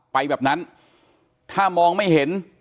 แบบนั้นถ้ามองไม่เห็น